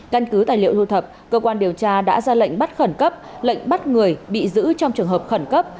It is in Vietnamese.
căn cứ tài liệu lưu thập cơ quan điều tra đã ra lệnh bắt khẩn cấp lệnh bắt người bị giữ trong trường hợp khẩn cấp